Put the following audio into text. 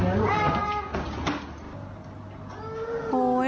โอ้ยแล้วที่ร้องนั่นคือคนหรือผีค่ะแล้วที่ร้องนั่นคือคนหรือผีค่ะ